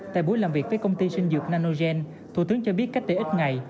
tại buổi làm việc với công ty sinh dược nanogen thủ tướng cho biết cách đây ít ngày